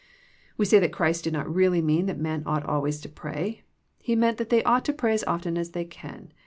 We say Christ did not really mean that men ought always to pray. He meant that they ought to pray as often as they can.